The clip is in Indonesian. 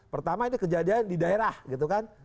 pertama ini kejadian di daerah gitu kan